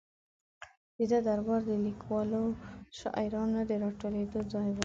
د ده دربار د لیکوالو او شاعرانو د را ټولېدو ځای و.